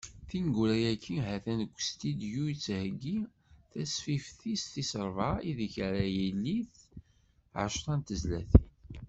Tineggura-agi, ha-t-an deg ustudyu, yettheggi tasfift-is tis rebɛa, ideg ara ilit ɛecra n tezlatin.